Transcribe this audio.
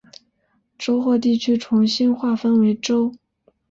州或地区重新划分为州。